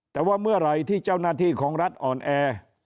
แต่ว่าเมื่อไหร่ที่เจ้าหน้าที่ของรัฐอ่อนแอ